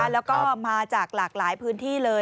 แล้วก็มาจากหลากหลายพื้นที่เลย